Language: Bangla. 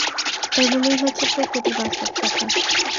এইগুলোই হচ্ছে প্রকৃতির বাস্তব কথা।